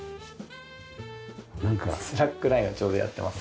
スラックラインをちょうどやってます。